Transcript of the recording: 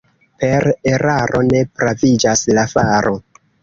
Per eraro ne praviĝas la faro.